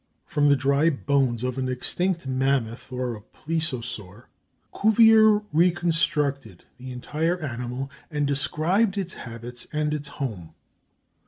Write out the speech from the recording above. From the dry bones of an extinct mammoth or a plesiosaur, Cuvier reconstructed the entire animal and described its habits and its home.